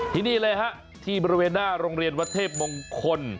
ที่นี่เลยฮะที่บริเวณหน้าโรงเรียนวัดเทพมงคล